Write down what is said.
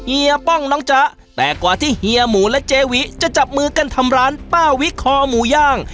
เฮีป้องน้องจ๊ะแต่กว่าที่เฮียหมูและเจวิจะจับมือกันทำร้านป้าวิคอหมูย่าง